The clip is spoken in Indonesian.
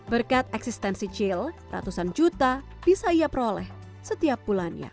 berkat eksistensi cil ratusan juta bisa ia peroleh setiap bulannya